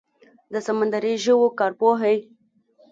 د سمندري ژویو کارپوهې